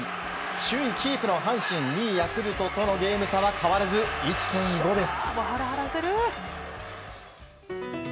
首位キープの阪神２位ヤクルトとのそのゲーム差は変わらず１．５です。